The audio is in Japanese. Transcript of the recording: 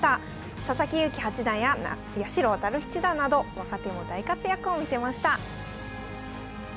佐々木勇気八段や八代弥七段など若手も大活躍を見せました。